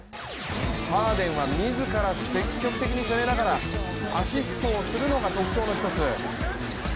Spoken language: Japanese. ハーデンは自ら積極的に攻めながらアシストをするのが特徴の１つ。